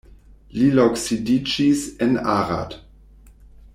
Li loksidiĝis en Arad.